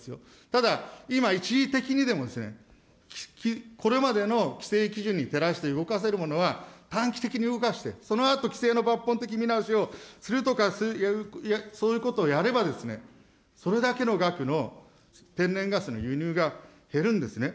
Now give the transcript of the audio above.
ただ、今一時的にでも、これまでの規制基準に照らして動かせるものは、短期的に動かして、そのあと規制の抜本的見直しをするとか、そういうことをやればですね、それだけの額の天然ガスの輸入が減るんですね。